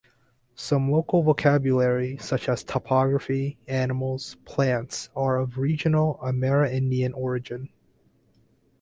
Some local vocabulary, such as topography, animals, plants are of regional Amerindian origin.